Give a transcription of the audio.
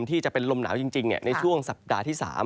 ที่จะเป็นลมหนาวจริงในช่วงสัปดาห์ที่๓